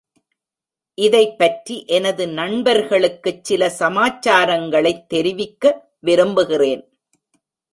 இதைப்பற்றி எனது நண்பர்களுக்குச் சில சமாச்சாரங்களைத் தெரிவிக்க விரும்புகிறேன்.